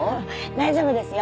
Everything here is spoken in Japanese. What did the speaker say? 大丈夫ですよ。